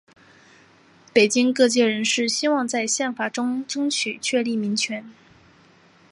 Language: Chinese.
北京各界人士希望在宪法中争取确立民权。